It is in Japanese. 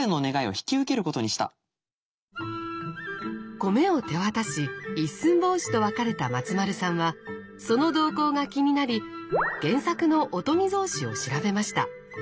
米を手渡し一寸法師と別れた松丸さんはその動向が気になり原作の「御伽草子」を調べました。